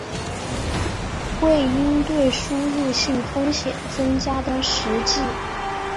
为应对输入性风险增加的实际